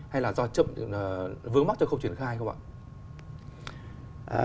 hay là do chậm vướng mắt cho khẩu truyền khai không ạ